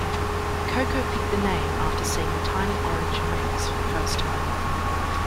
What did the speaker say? Koko picked the name after seeing the tiny orange Manx for the first time.